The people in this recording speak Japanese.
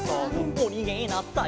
「おにげなさい」